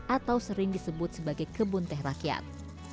atau sering disebut sebagai kebun teh rakyat